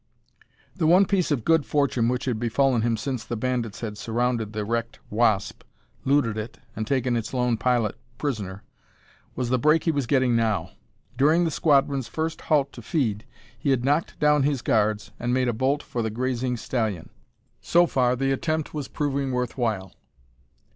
The one piece of good fortune which had befallen him since the bandits had surrounded the wrecked Wasp, looted it, and taken its lone pilot prisoner, was the break he was getting now. During the squadron's first halt to feed, he had knocked down his guards and made a bolt for the grazing stallion. So far, the attempt was proving worth while.